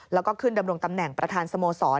แล้วก็ขึ้นดำรงตำแหน่งประธานสโมสร